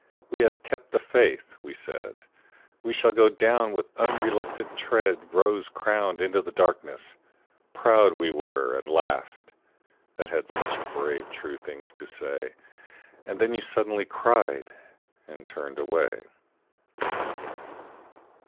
We have kept the faith!" we said; "We shall go down with unreluctant tread Rose crowned into the darkness!" ... Proud we were, And laughed, that had such brave true things to say. And then you suddenly cried, and turned away.